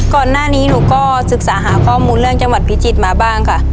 ก่อนหน้านี้หนูก็ศึกษาหาข้อมูลเรื่องจังหวัดพิจิตรมาบ้างค่ะ